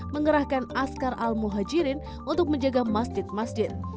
mengerahkan askar al muhajirin untuk menjaga masjid masjid